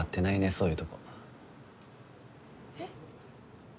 そういうとこえっ？